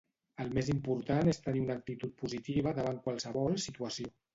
El més important és tenir una actitud positiva davant qualsevol situació.